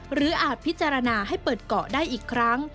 อาจพิจารณาให้เปิดเกาะได้อีกครั้ง